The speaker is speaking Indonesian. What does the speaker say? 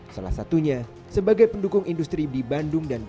salah satunya sebagai pendukung industri di bandung